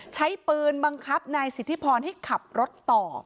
ใช้ปืนบังคับนายสิทธิพรให้ขับรถต่อ